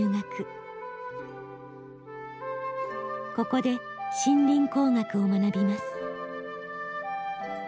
ここで森林工学を学びます。